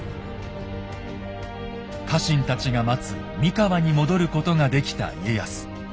家臣たちが待つ三河に戻ることができた家康。